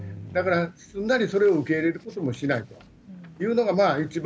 だから、すんなりそれを受け入れることもしないといけない。